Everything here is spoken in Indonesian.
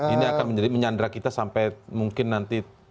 ini akan menjadi menyandra kita sampai mungkin nanti